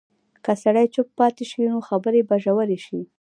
که سړی چوپ پاتې شي، نو خبرې به ژورې شي.